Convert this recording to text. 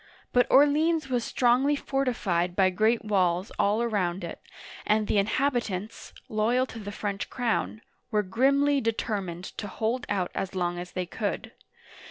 But Orleans was strongly fortified by great walls all around it, and the inhabitants, loyal to the French crown, were grimly determined to hold out as long as they could.